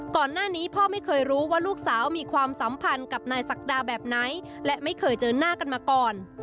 ก่อนหน้านี้พ่อไม่เคยรู้ว่าลูกสาวมีความสัมพันธ์กับนายศักดาแบบไหนและไม่เคยเจอหน้ากันมาก่อน